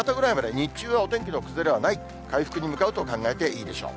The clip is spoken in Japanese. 日中はお天気の崩れはないと、回復に向かうと考えていいでしょう。